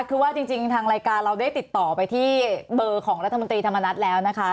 คือว่าจริงทางรายการเราได้ติดต่อไปที่เบอร์ของรัฐมนตรีธรรมนัฐแล้วนะคะ